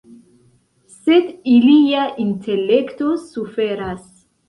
Sed ilia intelekto suferas.